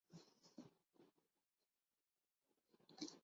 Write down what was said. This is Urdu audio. نورانی کرنیں ہر سو پھیل کر منظر کی لطافت کو مزید نکھار رہی تھیں